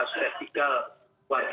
terus termasuk juga mobilitas retikal